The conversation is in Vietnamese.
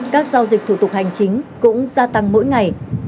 các giao dịch thủ tục hành chính cũng gia tăng mỗi ngày